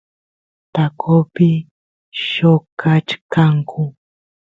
taqopi lloqachkanku